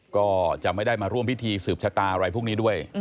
ก็จะไม่ได้มาร่วมพิธีสืบชะตาอะไรพวกนี้ด้วย